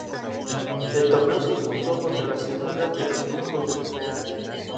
El torneo se disputó contra las segundas de los equipos de primera.